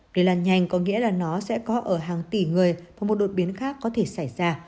lây lan nhanh có nghĩa là nó sẽ có ở hàng tỷ người và một đột biến khác có thể xảy ra